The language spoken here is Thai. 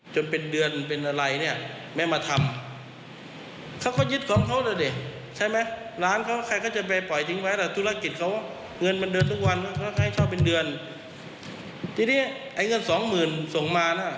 ช่วยน้องมาหน่อยนะให้น้องมาลงทุนมันก็หนึ่งหนึ่ง